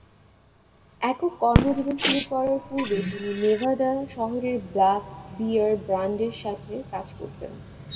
একক কর্মজীবন শুরু করার পূর্বে তিনি নেভাদা শহরের ব্ল্যাক বিয়ার ব্যান্ডের সাথে কাজ করতেন।